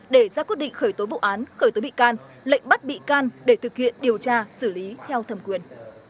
để ra quyết định khởi tối bộ án khởi tối bị can lệnh bắt bị can để thực hiện điều tra xử lý theo thẩm quyền